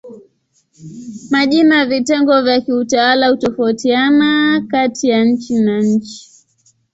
Majina ya vitengo vya kiutawala hutofautiana kati ya nchi na nchi.